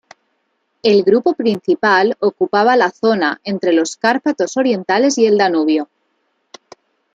El grupo principal ocupaba la zona entre los Cárpatos orientales y el Danubio.